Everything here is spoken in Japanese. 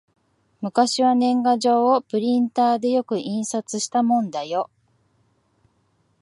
昔は年賀状をプリンターでよく印刷したもんだよ